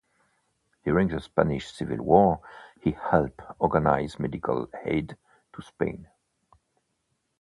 During the Spanish Civil War he helped organise medical aid to Spain.